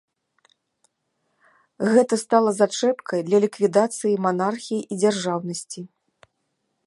Гэта стала зачэпкай для ліквідацыі манархіі і дзяржаўнасці.